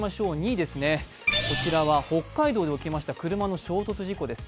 ２位、こちらは北海道で起きました車の衝突事故です。